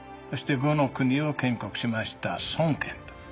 そして呉の国を建国しました孫権と。